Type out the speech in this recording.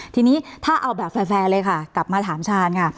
ทีนี้ถ้าเอาแบบแฟร์เลยค่ะกลับมาถามชาญค่ะ